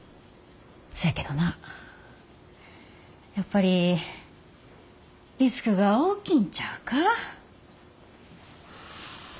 そやけどなやっぱりリスクが大きいんちゃうか？